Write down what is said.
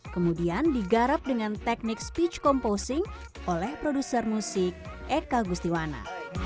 kemudian digarap dengan teknik speech komposing oleh produser musik eka gustiwana